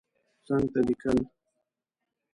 څنګ ته لیکل